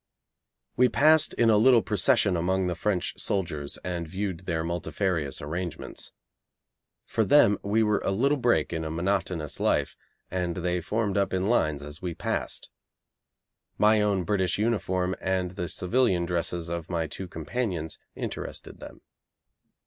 We passed in a little procession among the French soldiers, and viewed their multifarious arrangements. For them we were a little break in a monotonous life, and they formed up in lines as we passed. My own British uniform and the civilian dresses of my two companions interested them.